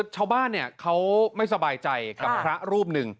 ชาวบ้านเขาไม่สบายใจกับพระรูปหนึ่ง